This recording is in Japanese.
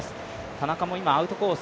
田中も今、アウトコース